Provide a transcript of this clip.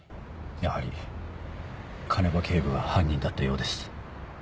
やはり鐘場警部が犯人だったようです。